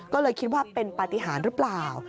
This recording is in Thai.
ก็เลยคิดว่าเป็นปฏิหารหรือเปล่า